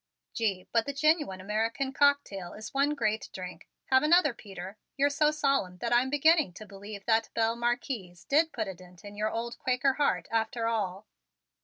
"Gee, but the genuine American cocktail is one great drink! Have another, Peter. You're so solemn that I am beginning to believe that belle Marquise did put a dent in your old Quaker heart after all."